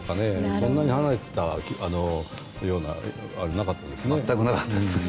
そんなに離れてたようなのはなかったですね。